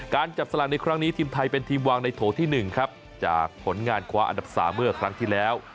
จับสลากในครั้งนี้ทีมไทยเป็นทีมวางในโถที่๑ครับจากผลงานคว้าอันดับ๓เมื่อครั้งที่แล้ว